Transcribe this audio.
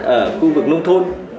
ở khu vực nông thôn